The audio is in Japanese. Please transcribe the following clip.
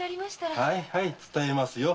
はい伝えますよ。